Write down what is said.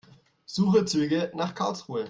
Suche Züge nach Karlsruhe.